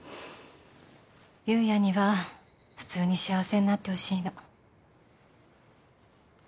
夕也には普通に幸せになってほしいの